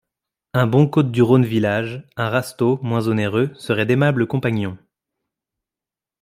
Un bon côtes-du-rhône villages, un rasteau, moin sonéreux, seraient d'aimables compagnons.